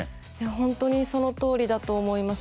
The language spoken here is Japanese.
本当にそのとおりだと思います。